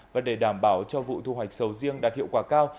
và để đảm bảo cho vụ thu hoạch sầu riêng đạt hiệu quả cao